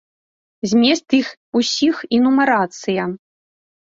Змест іх усіх і нумарацыя.